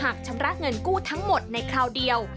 ชำระเงินกู้ทั้งหมดในคราวเดียว